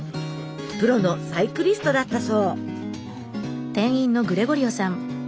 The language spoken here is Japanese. プロのサイクリストだったそう。